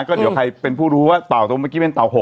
ก็เดี๋ยวใครเป็นผู้รู้ว่าเต่าตรงเมื่อกี้เป็นเต่า๖